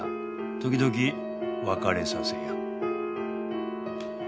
時々別れさせ屋。